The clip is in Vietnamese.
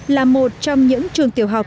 là một trong những trường tiểu học